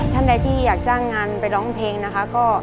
ท่านใดที่อยากจ้างงานไปร้องเพลงนะคะ